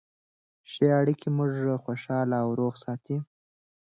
ښه اړیکې موږ خوشحاله او روغ ساتي.